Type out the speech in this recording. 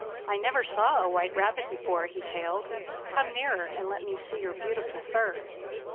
"I never saw a white rabbit before," he hailed. "Come nearer and let me see your beautiful fur."